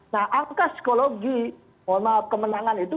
nah angka psikologi kemenangan itu